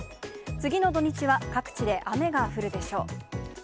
次の土日は各地で雨が降るでしょ